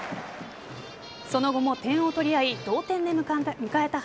その後も点を取り合い同点で迎えた